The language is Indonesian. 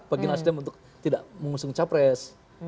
bagi nasdem untuk tidak mengusung capres